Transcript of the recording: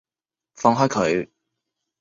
放開佢！